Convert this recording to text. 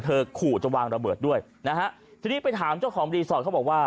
ขู่จะวางระเบิดด้วยนะฮะทีนี้ไปถามเจ้าของรีสอร์ทเขาบอกว่า